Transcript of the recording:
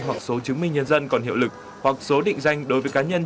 hoặc số chứng minh nhân dân còn hiệu lực hoặc số định danh đối với cá nhân